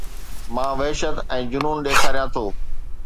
مان وحشت ۽ جنون ڏيکاريان ٿو